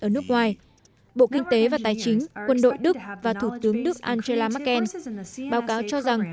ở nước ngoài bộ kinh tế và tài chính quân đội đức và thủ tướng đức angela merkel báo cáo cho rằng